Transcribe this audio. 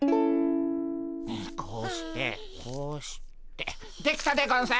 こうしてこうしてできたでゴンス。